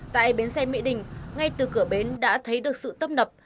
tại bến xe mỹ đình ngay từ cửa bến đã thấy được sự tấp nập